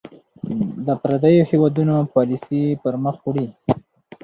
د پرديـو هېـوادونـو پالسـي پـر مــخ وړي .